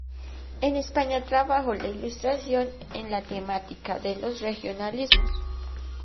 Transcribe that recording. En España trabajó la ilustración en la temática de los regionalismos.